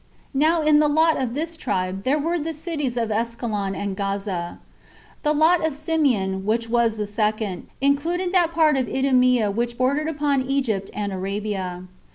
Now in the lot of this tribe there were the cities of Askelon and Gaza. The lot of Simeon, which was the second, included that part of Idumea which bordered upon Egypt and Arabia.